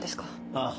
ああ。